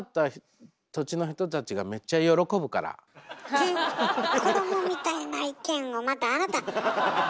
えそのフフッ子どもみたいな意見をまたあなた。